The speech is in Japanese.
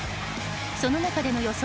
その中での予想